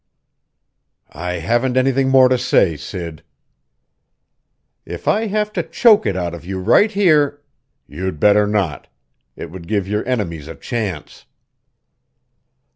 "I haven't anything more to say, Sid!" "If I have to choke it out of you right here " "You'd better not. It would give your enemies a chance!"